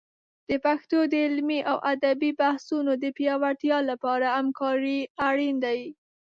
د پښتو د علمي او ادبي بحثونو د پیاوړتیا لپاره همکارۍ اړین دي.